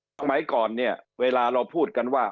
สมัยก่อนเนี่ยเวลาเราพูดกันว่า